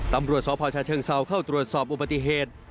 ตำรวจสพชาเชิงเซาเข้าตรวจสอบอุบัติเหตุ